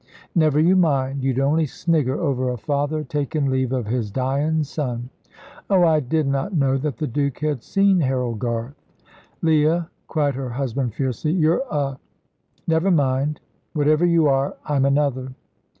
"Never you mind. You'd only snigger over a father takin' leave of his dyin' son." "Oh! I did not know that the Duke had seen Harold Garth." "Leah," cried her husband, fiercely, "you're a never mind. Whatever you are, I'm another."